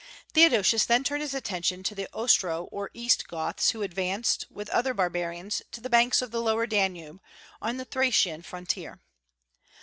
Theodosius then turned his attention to the Ostro or East Goths, who advanced, with other barbarians, to the banks of the lower Danube, on the Thracian frontier.